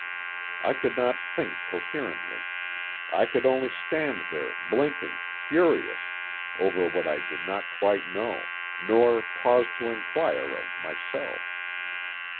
I could not think coherently. I could only stand there blinking, furious—over what I did not quite know, nor pause to inquire of myself.